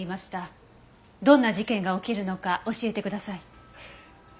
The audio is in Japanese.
どんな事件が起きるのか教えてください。